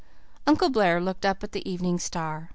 Uncle Blair looked up at the evening star.